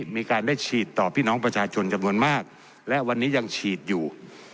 มีการได้ฉีดต่อพี่น้องประชาชนจำนวนมากและวันนี้ยังฉีดอยู่